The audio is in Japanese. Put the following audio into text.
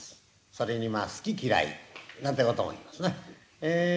それに好き嫌いなんてことも言いますね。